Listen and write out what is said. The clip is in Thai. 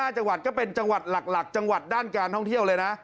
๕จังหวัดก็เป็นจังหวัดหลักจังหวัดด้านการท่องเที่ยวเลยนะ